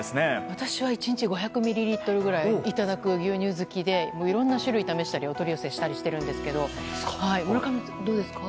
私は１日５００ミリリットルぐらいいただく、牛乳好きでいろんな種類試したりお取り寄せしたりしてるんですが村上さんはどうですか？